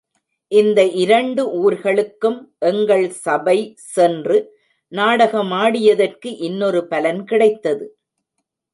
இந்த இரண்டு ஊர்களுக்கும் எங்கள் சபை சென்று நாடகமாடியதற்கு இன்னொரு பலன் கிடைத்தது.